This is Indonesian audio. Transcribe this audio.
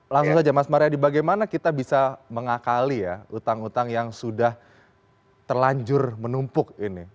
langsung saja mas mariadi bagaimana kita bisa mengakali ya utang utang yang sudah terlanjur menumpuk ini